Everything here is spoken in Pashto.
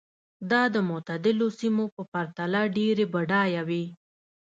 دا د معتدلو سیمو په پرتله ډېرې بډایه وې.